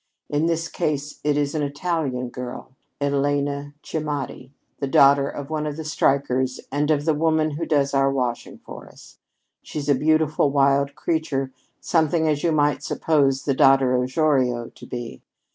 In this case it is an Italian girl, Elena Cimiotti, the daughter of one of the strikers and of the woman who does our washing for us. She's a beautiful, wild creature, something as you might suppose the daughter of Jorio to be.